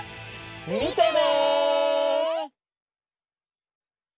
みてね！